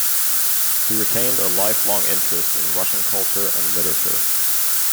He retained a lifelong interest in Russian culture and literature.